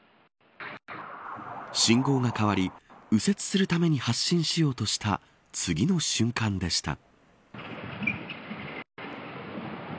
信号が変わり右折するために発進しようとした次の瞬間でした。